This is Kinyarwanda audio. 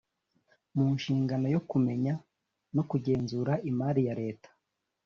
mu nshingano yo kumenya no kugenzura imari ya leta